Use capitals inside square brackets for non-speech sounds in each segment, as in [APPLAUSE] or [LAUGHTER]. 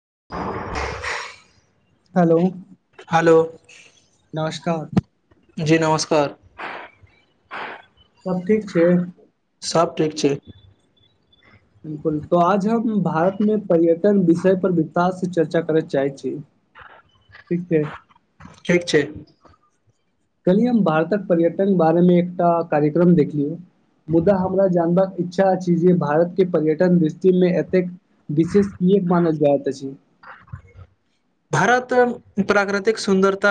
[UNINTELLIGIBLE] hello hello नमस्कार जी नमस्कार सब ठीक छै सब ठीक छैय बिल्कुल त आज हम भारतमे पर्यटन विषय पर विस्तार से चर्चा करय चाहै छी ठीक छै ठीक छै कलिय हम भारतक पर्यटन बारेमे एकटा कार्यक्रम देखियो मुदा हमरा जानबाक इच्छा छै जे भारत के पर्यटन दृष्टिमे एतेक विशेष कीएक मानल जाइत अछि भारत प्राकृतिक सुन्दरता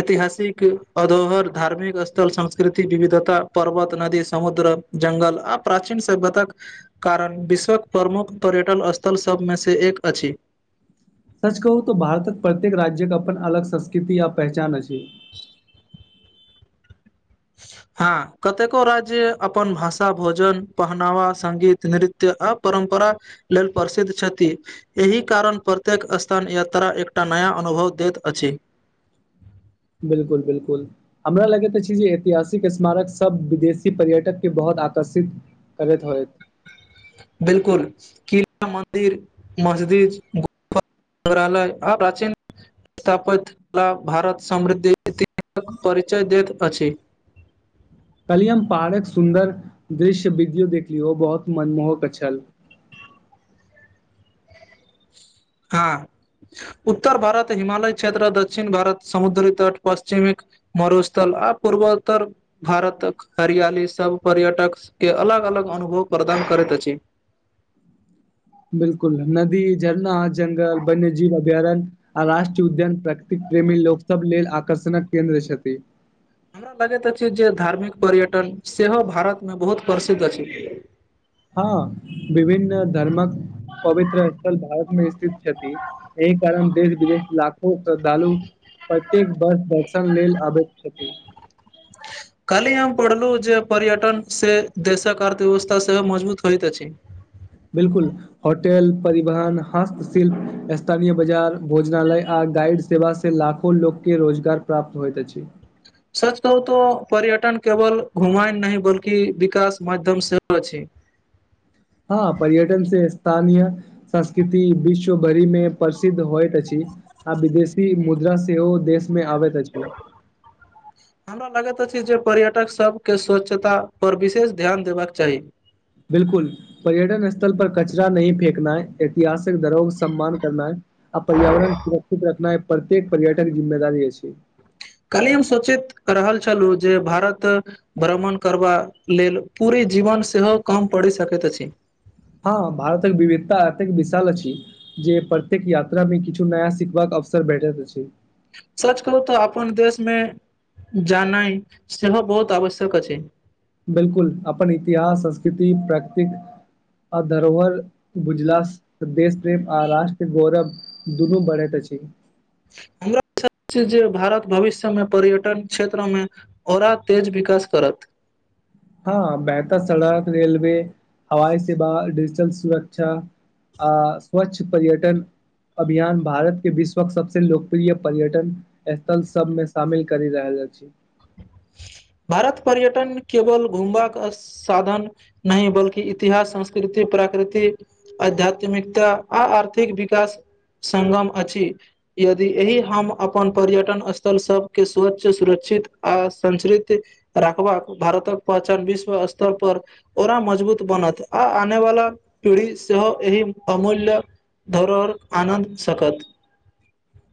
ऐतिहासिक अधोहर धार्मिक स्थल सांस कृति विविधता पर्वत नदी समुद्र जंगल आ प्राचीन सभ्यताक कारण विश्वक प्रमुख पर्यटन स्थल सभ में सँ एक अछि सच कहू तऽ भारतक प्रत्येक राज्यक अपन अलग संस्कृति आ पहचान अछि [UNINTELLIGIBLE] हँ कतेको राज्य अपन भाषा भोजन पहनावा संगीत नृत्य आ परम्प परा लेल प्रसिद्ध छथि एहि कारण प्रत्येक स्थान यात्रा एकटा नया अनुभव दैत अछि बिल्कुल बिल्कुल हमरा लगैत अछि जे ऐतिहासिक स्मारक सब विदेशी पर्यटक के बहुत आकर्षित करैत होयत बिल्कुल कि मन्दिर मस्जिद संग्रहालय आ प्राचीन स्थापइत कला भारत समृद्धि क परिचय दैत अछि कल्हिय हम पहाड़क सुन्दर दृश्यविद्यो देखलियौ बहुत मनमोहक छल [INAUDIBLE] हँ उत्तर भारत हिमालय क्षेत्र दक्षिण भारत समुद्री तट पश्चिमिक मरुस्थल आ पूर्वोत्तर भारत क हरियाली सभ पर्यटक के अलग अलग अनुभव प्रदान दान करैत अछि बिल्कुल नदी झरना जंगल वन्यजीव अभयारण्य आ राष्ट्रीय उद्यान प्रकृतिक प्रेमी लोक सब लेल आकर्षण क केन्द्र छथि हमरा लगैत अछि जे धार्मिक पर्यटन सेहो भारतमें बहुत प्रसिद्ध अछि हँ विभिन्न धर्मक पवित्र स्थल भारत मे स्थित छथि एहि कारण देश विदेश लाखो श्रद्धालु प्रत्येक बर्ष दर्शन लेल आबैत छथि [UNINTELLIGIBLE] काली हम पढ़लु जे पर्यटन से देशक अर्थ व्यवस्था सेहो मजबूत होइत अछि बिल्कुल होटेल परिवहन हस्तशिल्प स्थानीय बाजार भोजनालय आद गाइड सेवा से लाखो लोक के रोजगार प्राप्त होइत अछि सच कहू तो पर्यटन केवल घुमायन नहि बल्कि विकास माध्यम सेहो अछि [INAUDIBLE] [UNINTELLIGIBLE] हँ पर्यटन से स्थानीय संस्कृति विश्व भरि मे प्रसिद्ध होइत अछि आ विदेशी मुद्रा सेहो देशमे आबैत अछि छै जे पर्यटक सबके स्वच्छता पर विशेष ध्यान देबाक चाही बिलकुल पर्यटन स्थल पर कचरा नहि फेकनाइ ऐतिहासिक धरोहर के सम्मान करनाइ आ पर्यावरण सुरक्षित रखनाइ प्रत्येक पर्यटक के जिम्मेदारी अछि काल्हि हम सोचैत रहल छलहुँ जे भारत भ्रमण करबा लेल पूरे जीवन सेहो कम परी सकैत अछि हँ भारतक विविधता एतेक विशाल अछि जे प्रत्येक यात्रामे किछु नया सिखबाक अवसर भेटैत अछी सच कहू तऽ अपन देशमे जाननाइ सेहो बहुत आवश्यक अछि बिलकुल अपन इतिहास संस्कृति प्राकृतिक आ धरोहर बुझला स देश प्रेम आ राष्ट्र गौरव दुनू बढ़इत अछि छै हमरा सं जे जे भारत भविष्यमे पर्यटन क्षेत्रमे औड़रा तेज विकास करत [INAUDIBLE] हँ बेहतर सड़क रेलवे हवाई सेवा डीजिटल सुरक्षा आ स्वच्छ पर्यटन अभियान भारत के विश्वक सबसे लोकप्रिय पर्यटन स्थल सबमे शामिल करि रहल अछी [INAUDIBLE] भारत पर्यटन केवल घुमबाक साधन नहि बल्कि इतिहास संस्कृति प्राकृति आध्यात्मिकता आ आर्थिक विकास संगम अछि यदि एहि हम अपन पर्यटन स्थल सभके स्वच्छ सुरक्षित अ संचरित रखबाक भारतक पहचान विश्व स्तर पर ओरा मजबूत बना आ आने वाला पीढ़ी सेहो एहि अमूल्य धोरोहर आनन्द सकत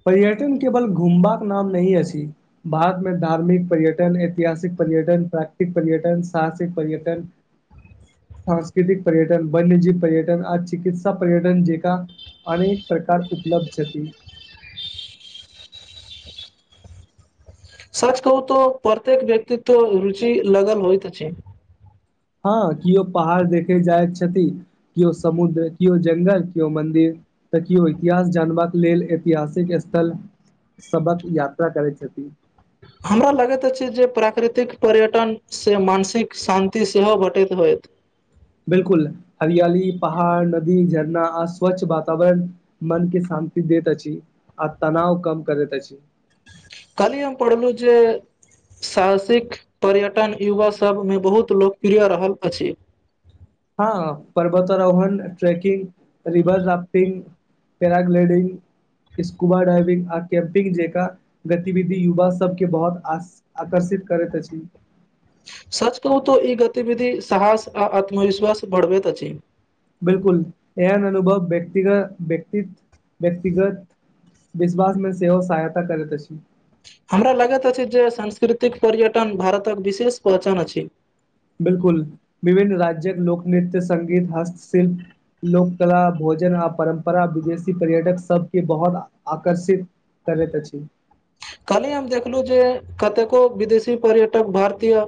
पर्यटन केवल घुमबााक नाम नहि असी भारतमे धार्मिक पर्यटन ऐतिहासिक पर्यटन प्राकृतिक पर्यटन साहसिक पर्यटन [INAUDIBLE] सांस्कृतिक पर्यटन वन्यजीव पर्यटन आ चिकित्सा पर्यटन जेकां अनेक प्रकार उपलब्ध छति सच कहू त प्रत्येक व्यक्ततित रुचि लगल होइतइत छै हँ केओ पहाड़ देखे जाय छथि केओ समुद्र केओ जंगल केओ मंदिर तकियौ इतिहास जानबाक लेल ऐतिहासिक स्थल सभक यात्रा करै छथि हमरा लगैत अछि जे प्राकृतिक पर्यटन से मानसिक शान्ति सेहो भेटैत होय [INAUDIBLE] बिलकुल हरियाली पहाड़ नदी झरना आ स्वच्छ वातावरण मनके शा न्ति देत अछि आ तनााव कम करैत अछि काल्हि हम पढ़लहुं जे साहसिक पर्यटन युवासभमे बहुत लोकप्रिय रहल अछि हँ पर्वतारोहण trekking river rafting paragliding scuba diving आ कैम्पिंग जेका गतिविधि युवा सबके बहुत आक आकर्षित करैत छी सच कहू तऽ ई गतिविधि साहस आ आत्मविश्वास बढ़बैत अछि बिलकुल एहन अनुभव व्यक्तिग व्यक्त व्यक्तिगत विश्वासमे सेहो सहायता करैत अछि हमरा लागैत अछि जे सांस्कृतिक पर्यटन भारतक विशेष पहचान अछि बिलकुल विभिन्न राज्य्यक लोकनृत्य संगीत हस्तशिल्प लोक कला भोजन आ परम्परा विदेशी पर्यटक सबके बहुत आकर्षित तबैत अछी कहली हम देखलहु जे कतेको विदेशी पर्यटक भारतीय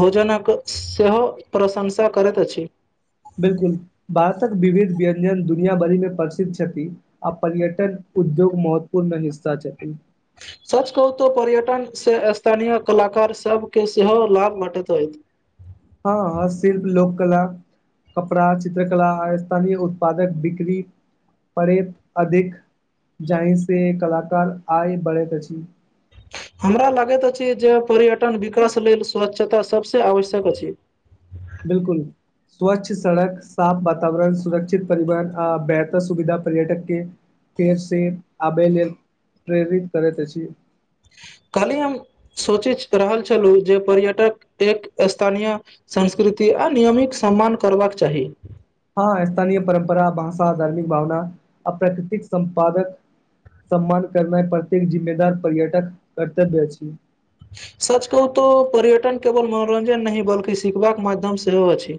भोजनक सेहो प्रशंसा करैत अछि बिलकुल भारतक विविध व्यञ्जन दुनिया भरि मे प्रसिद्ध छथि आ पर्यटन उद्योग महत्वपूर्ण मे हिस्सा छथि [INAUDIBLE] सच कहूतो पर्यटनसँ स्थानीय कलाकार सभके सेहो लाभ भेटैत होइत हँ ह शिल्प लोककला कपड़ा चित्रकला आ स्थानीय उत्पादक बिक्री परे अधिक जाइ से कलाकार आय बढ़ैत अछि [INAUDIBLE] हमरा लागैत अछि जे पर्यटन विकास लेल स्वच्छता सभसँ आवश्यक अछि बिलकुल स्वच्छ सड़क साफ वातावरण सुरक्षित परिवहन आ बेहतर सुविधा पर्यटक के फेर से आबे लेल प्रेरित करेत अछि काली हम सोचै रहल छलौ जे पर्यटक एक स्थानीय संस्कृति दुति आ नियमित सम्मान करबाक चाही हँ स्थानीय परम्परा भाषा धार्मिक भावना अप्रकृतिक संपादक सम्मान करनै प्रति जिम्मेदार पर्यटक कर्तव्य अछि [INAUDIBLE] सच कहू तऽ पर्यटन केवल मनोरञ्जन नहि बल्कि सिखबाक माध्यम सेहो अछि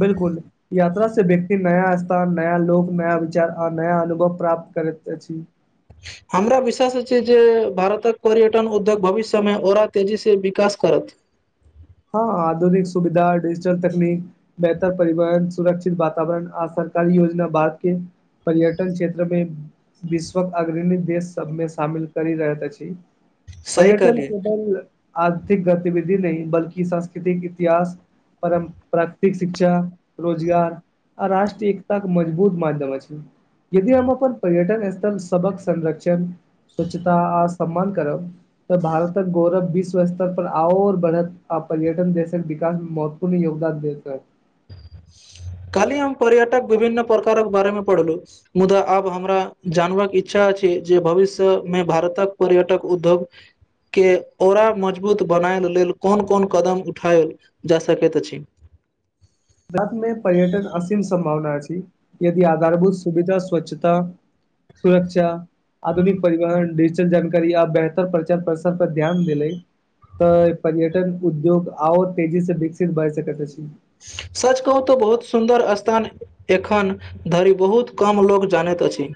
बिलकुल यात्रा से व्यक्त नया स्थान नया लोक नया विचार आ नया अनुभव प्राप्त करैत अछि [INAUDIBLE] हमरा विश्वास अछि जे भारतक पर्यटन उद्योग भविष्यमे ओरा तेजी से विकास करत [INAUDIBLE] हँ आधुनिक सुविधा डीजिटल तकनीक बेहतर परिवहन सुरक्षित वातावरण आसान सरकारी योजना बाद के पर्यटन क्षेत्रमे विश्वक अग्रणी देश सबमे शामिल करि रहैत अछि सही पर्यटन कहलियै केवल आर्थिक गतिविधि नहि बल्कि सांस्कृतिक इतिहास परम प्राकृतिक शिक्षा रोजगार आ रष्ट्रीय एकता के मजबूत मध्यम अछि यदि हम अपन पर्यटन स्थल सभहक संरक्षण स्वच्छता आ सम्मान करब तऽ भारतक गौरव विश्व स्तर पर आऔर बढ़त आब पर्यटन देशक विकासमे महत्वपूर्ण योगदान देतक [INAUDIBLE] काली हम पर्यटक विभिन्न प्रकारक बारे मे पढ़लौ मुदा आब हमरा जान वाक इच्छा अछि जे भविष्य मे भारतक पर्यटक उद्योग के ओरा मजबूत बनायल लेल कोन कोन कदम उठायल जा सकैत अछि [INAUDIBLE] गतमे पर्यटन असीम संभावना अछि यदि आधारभूत सुविधा स्वच्छता सुरक्षा आधुनिक परिवहन डिजिटल जानकारी आ बेहतर प्रचार प्रसार पर ध्यान देलै तऽ पर्यटन उद्योग और तेजी से विकसित भ सकैत अछि सच कहू तऽ बहुत सुन्दर स्थान एखन धरि बहुत कम लोक जानै त अछि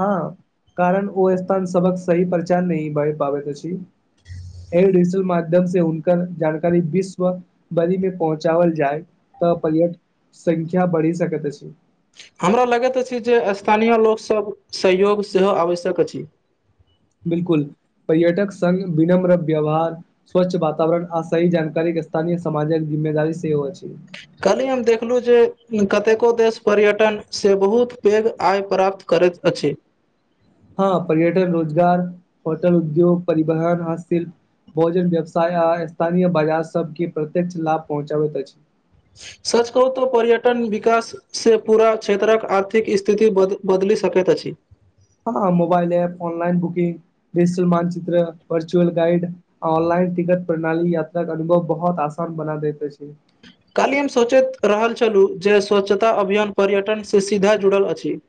हँ कारण ओ स्थान सबहक सही परचार नहि भ पाबैत अछि एयरडिजिटल माध्यम से उनक जानकारी विश्व बलीमे पहुँचाबल जाए तऽ पर्यट संख्या बढ़ि सकैत अछि हमरा लगैत अछि जे स्थानीय लोकसभ सहयोग सेहो आवश्यक अछि बिलकुल पर्यटक संघ विनम्र व्यवहार स्वच्छ वातावरण आ सही जानकारी के स्थानय समाजक जिम्मेदारी सेहो अछि काहली हम देखलु जे कतेको देश पर्यटन सँ बहुत पैघ आय प्राप्त करैत अछि हँ पर्यटन रोजगार होटल उद्योग परिवहन हाथ शिल्प भोजन व्यवसाय आ स्थानीय बाजार सबके प्रत्यक्ष लाभ पहुँचाबैत अछि सच कहू त पर्यटन विकास से पूरा क्षेत्रक आर्थिक स्थिति बदल बदल सकैत अछि हँ mobile app online booking digital मानचित्र वर्चुअल गाइड ऑनलाइन टिकट प्रणाली यात्रा के अनुभव बहुत आसान बना दैत अछि काल्हि हम सोचैत रहल छलु जे स्वच्छता अभियान पर्यटन से सीधा जुड़ल अछि [INAUDIBLE]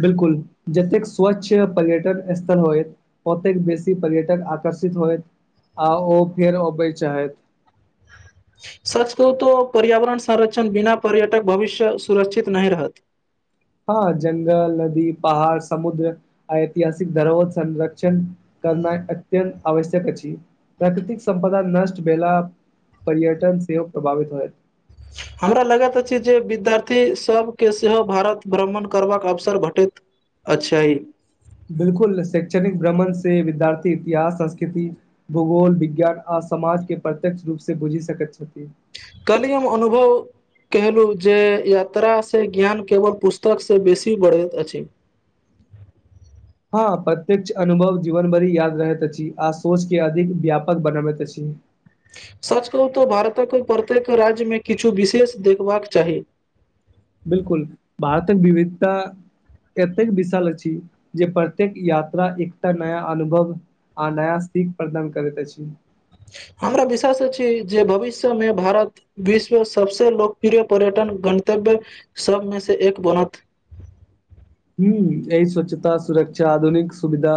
बिल्कुल जतेक स्वच्छ पर्यटन स्थल होयत ओतेक बेसी पर्यटक आक आषित होयत आ ओ फेरो अबय चाहथि सच कहू तो पर्यावरण संरक्षण बिना पर्यटक भविष्य सुरक्षित नहि रहत हँ जंगल नदी पहाड़ समुद्र ऐतिहासिक धरोहर संरक्षण करना अत्यन् आवश्यक अछि प्रकृतिक संपदा नष्ट भेला पर्यटन सेवक प्रभावित होयत [INAUDIBLE] हमरा लगैत अछि जे विद्यार्थी सब के सेहो भारत भ्रमण करबाक अवसर भेटैत अच्छा इ बिलकुल शैक्षणिक भ्रमण से विद्यार्थी इतिहास संस्कृति भूगोल विज्ञान आ समाज के प्रत्यक्ष रूपसँ बुझि सकैत छथि कलियम अनुभव केहलु जे यात्रा सँ ज्ञान केवल पुस्तक सँ बेसी बढ़ैत अछि [INAUDIBLE] हँ प्रत्यक्ष अनुभव जीवन भरि याद रहैत अछि आ सोच के अधिक व्यापक बनबैत अछि सच कहू तऽ भारतक प्रत्येक राज्यमे किछु विशेष देखबाक चाही ह [UNINTELLIGIBLE] बिल्कुल भारतक विविधता एतेक विशाल अछि जे प्रत्येक यात्रा एकटा नया अनुभव आ नया सीख प्रदान करैत अछि हमरा विश्वास अछी जे भविष्य मे भारत विश्व सबसे लोकप्रिय पर्यटन गन्तव्य सबमें से एक बनत ह्म एहि स्वच्छता सुरक्षा आधुनिक सुविधा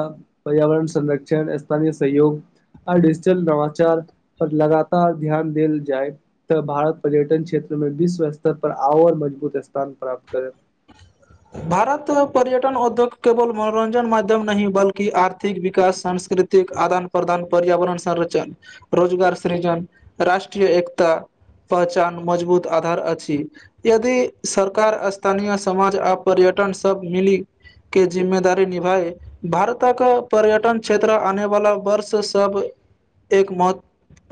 पर्यावरण संरक्षण स्थानय सही योग आ डिजिटल नवाचार पर लगातार ध्यान देल जाय तऽ भारत पर्यटन क्षेत्र मे विश्व स्तर पर आओर मजबूत स्थान प्राप्त करे [INAUDIBLE] भारत पर्यटन उद्योग केवल मनोरञ्जन माध्यम नहि बल्कि आर्थिक विकास सांस्कृतिक आदान प्रदान पर्यावरण संरचण रोजगार सृजन राष्ट्रीय एकता पहचान मजबूत आधार अछि यदि सरकार स्थानीय समाज आ पर्यटन सब मिली के जिम्मेदारी निभए भारतक पर्यटन क्षेत्र आने वाला वर्ष सब एक म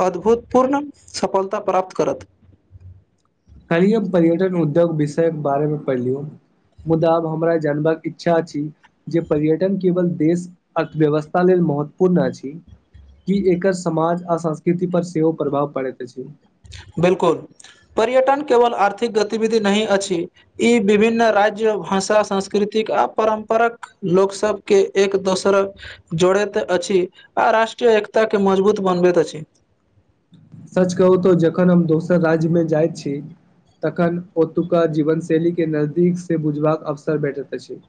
अद्भूतपूर्ण सफलता प्राप्त करत कली हम पर्यटन उद्योग विषय के बारे मे पढ़लीयौ मुदा आब हमरा जानबाक इच्छा अछि जे पर्यटन केवल देश अर्थव्यवस्था लेल महत्वपूर्ण अछि कि एकर समाज आ संस्कृति पर सेहो प्रभाव पड़ैत अछि बिल्कुल पर्यटन केवल आर्थिक गतिविधि नहि अछि ई विभिन्न राज्य भाषा संस्कृति आ परम्पराक लोकसबके एक दोसरक जोड़ैत अछि आ राष्ट्र के एकता के मजबूत बनबैत अछि सच कहू तऽ जखन हम दोसर राज्यमे जाइ छी तखन ओतुका जीवन शैली के नजदीक से बुझबाक अवसर भेटैत अछि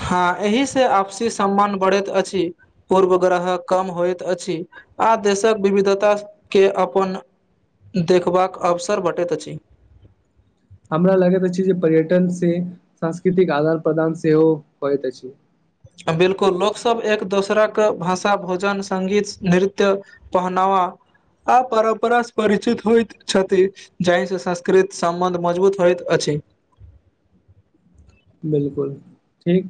हँ एहि से आपसी सम्मान बढ़ैत अछि पूर्व ग्रह कम होइत अछि आ देशक विविधताके अपन देखबाक अवसर बटैत अछि हमरा लगैत अछि जे पर्यटन से सांस्कृतिक आदान प्रदान सेहो होइत अछि बिल्कुल लोक सब एक दोसरक भाषा भोजन संगीत नृत्य पहनाव हँ आ परम्परा से परिचित होइत छथि जाहिसँ संस्कृत संबन्ध मजबूत होइतअछि [UNINTELLIGIBLE] बिल्कुल ठीक